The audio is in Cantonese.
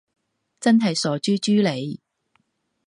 真係傻豬豬嚟